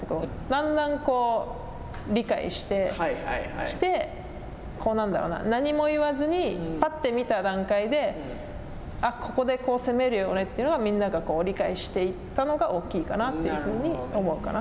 だんだん理解してきて、何も言わずに、ぱって見た段階で、あ、ここでこう攻めるよねというのが、みんなが理解していったのが大きいかなというふうに思うかな。